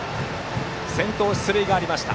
先頭、出塁がありました。